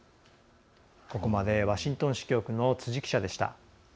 ここまでワシントン支局の辻記者でした。